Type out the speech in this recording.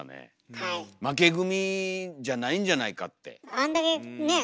あんだけねえ？